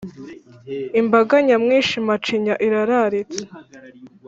Imbaga nyamwinshi macinya irararitse